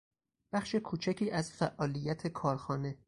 بخش کوچکی از فعالیت کارخانه